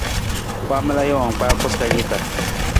Waamala jawang kpaa koosara ni ta.